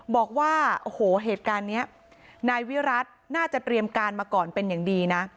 บอกว่าโอ้โหเหตุการณ์นี้นายวิรัติน่าจะเตรียมการมาก่อนเป็นอย่างดีนะ